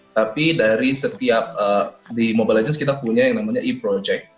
tapi dari setiap di mobile legends kita punya yang namanya e project